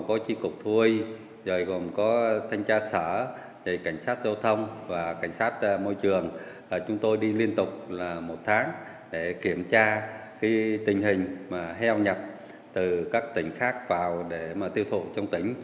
cảnh sát giao thông và cảnh sát môi trường chúng tôi đi liên tục một tháng để kiểm tra tình hình heo nhập từ các tỉnh khác vào để tiêu thụ trong tỉnh